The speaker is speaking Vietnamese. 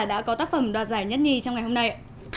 đã có tác phẩm đoạt giải nhất nhì trong ngày hôm nay